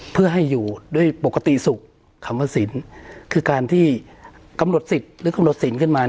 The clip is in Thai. เพื่อให้อยู่ด้วยปกติสุขธรรมสินคือการที่กำหนดสิทธิ์หรือกำหนดสินขึ้นมา